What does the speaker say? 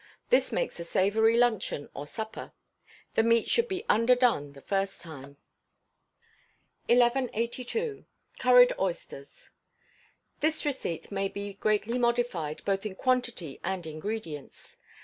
This makes a savoury luncheon or supper. The meat should be underdone the first time. 1182. Curried Oysters. This receipt may be greatly modified, both in quantity and ingredients.